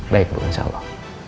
baik bu insya allah